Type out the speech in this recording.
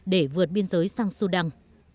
để vượt biên giới sang sudan